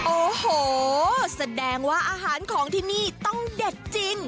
โอ้โหแสดงว่าอาหารของที่นี่ต้องเด็ดจริง